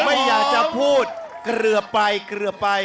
ไม่อยากจะพูดเกลือไปเกลือไป